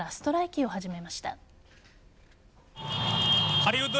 ハリウッド